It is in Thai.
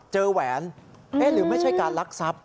เจอแหวนหรือไม่ใช่การลักทรัพย์